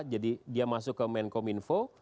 jadi dia masuk ke menkom info